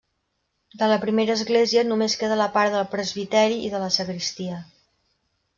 De la primera església només queda la part del presbiteri i de la sagristia.